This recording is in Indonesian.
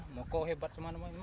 mau kau hebat sama sama